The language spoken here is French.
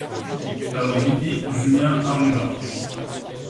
Vers les midi Julien arriva.